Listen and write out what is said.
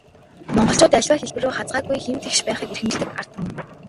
Монголчууд аливаад хэлбэрүү хазгайгүй, хэм тэгш байхыг эрхэмлэдэг ард түмэн.